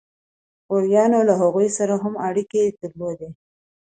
غوریانو له هغوی سره هم اړیکې درلودې.